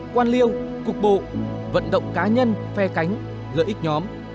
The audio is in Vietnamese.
quan liêu cục bộ vận động cá nhân phe cánh lợi ích nhóm